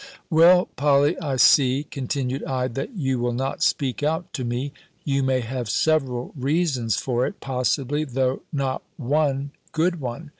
"Well, Polly, I see," continued I, "that you will not speak out to me. You may have several reasons for it, possibly, though not one good one.